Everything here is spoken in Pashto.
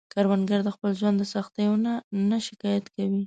کروندګر د خپل ژوند له سختیو نه نه شکايت کوي